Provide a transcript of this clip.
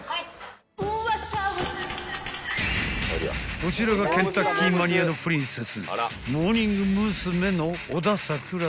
［こちらがケンタッキーマニアのプリンセス］